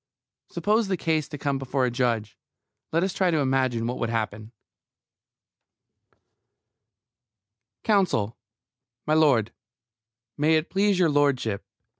Suppose the case to come before a judge. Let us try to imagine what would happen: COUNSEL: M'lud, may it please your ludship.